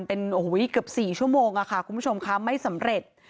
เป็นโอ้โหเกือบ๔ชั่วโมงค่ะคุณผู้ชมค่ะไม่สำเร็จ